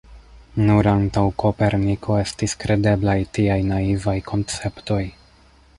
Nur antaŭ Koperniko estis kredeblaj tiaj naivaj konceptoj.